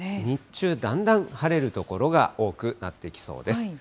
日中、だんだん晴れる所が多くなってきそうです。